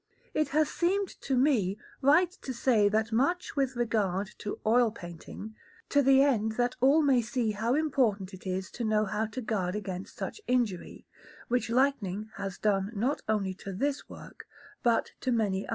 It has seemed to me right to say that much with regard to oil painting, to the end that all may see how important it is to know how to guard against such injury, which lightning has done not only to this work, but to many others.